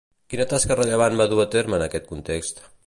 Quina tasca rellevant va dur a terme en aquest context?